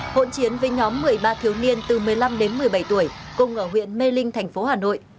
hộn chiến với nhóm một mươi ba thiếu niên từ một mươi năm đến một mươi bảy tuổi cùng ở huyện mê linh thành phố hà nội